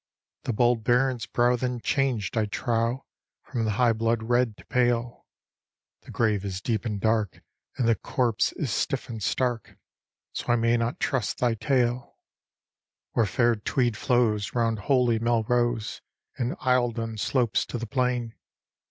" The bold Baron's brow then changed, I trow, From the hi^ blood red to pale — "The grave is deep and dark — and the corpse is stiff and stark — So I may not trust thy tale. D,gt,, erihyGOOgle The Eve of St. John 217 "Where fair Tweed flows round holy Melrose, And Eildon slopes to the plain.